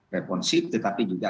responsif tetapi juga